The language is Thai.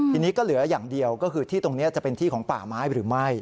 ทีนี้ก็เหลืออย่างเดียวก็คือที่ตรงนี้จะเป็นที่ของป่าไม้หรือไม่